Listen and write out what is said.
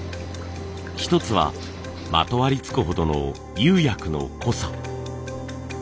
１つはまとわりつくほどの釉薬の濃さ。